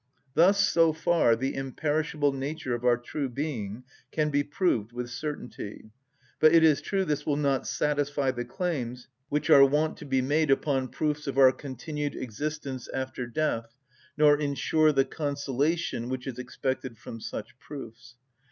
Thus so far the imperishable nature of our true being can be proved with certainty. But it is true this will not satisfy the claims which are wont to be made upon proofs of our continued existence after death, nor insure the consolation which is expected from such proofs.